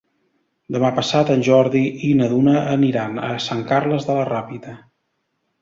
Demà passat en Jordi i na Duna aniran a Sant Carles de la Ràpita.